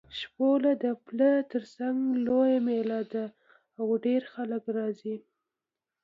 شپوله د پله تر څنګ لویه مېله ده او ډېر خلک راځي.